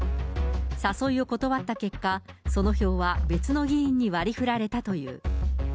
誘いを断った結果、その票は別の議員に割りふられたという。